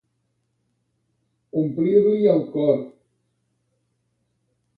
Omplir-li el cor.